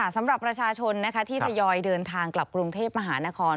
สำหรับประชาชนที่ทยอยเดินทางกลับกรุงเทพมหานคร